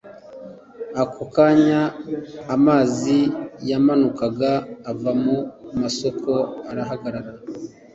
ako kanya amazi yamanukaga ava mu masoko arahagarara.